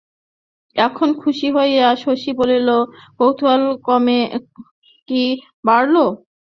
এখন খুশি হইয়া শশী বলিল, কৌতূহল কমে কি বাড়ল?